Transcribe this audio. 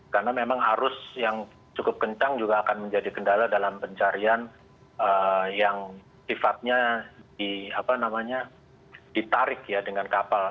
karena memang arus yang cukup kencang juga akan menjadi kendala dalam pencarian yang sifatnya ditarik ya dengan kapal